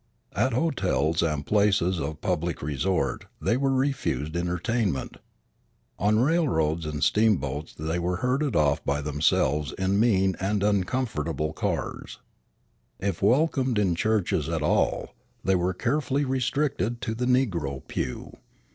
At hotels and places of public resort they were refused entertainment. On railroads and steamboats they were herded off by themselves in mean and uncomfortable cars. If welcomed in churches at all, they were carefully restricted to the negro pew.